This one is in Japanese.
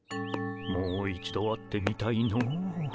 もう一度会ってみたいの。